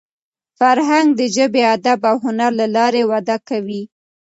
فرهنګ د ژبي، ادب او هنر له لاري وده کوي.